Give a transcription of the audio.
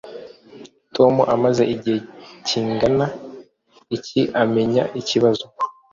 Tom amaze igihe kingana iki amenya ikibazo